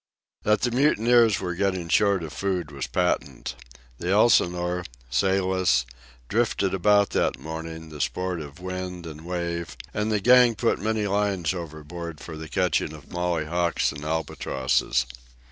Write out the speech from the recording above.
That the mutineers were getting short of food was patent. The Elsinore, sailless, drifted about that morning, the sport of wind and wave; and the gang put many lines overboard for the catching of mollyhawks and albatrosses.